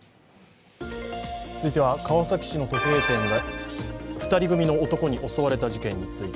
続いては川崎市の時計店が２人組の男に襲われた事件です。